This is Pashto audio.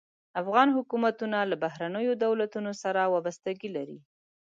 افغان حکومتونه له بهرنیو دولتونو سره وابستګي لري.